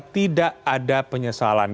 tidak ada penyesalan